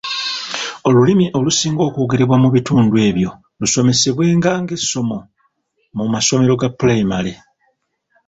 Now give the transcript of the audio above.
Olulimi olusinga okwogerebwa mu bitundu ebyo lusomesebwenga ng'essomo mu masomero ga pulayimale.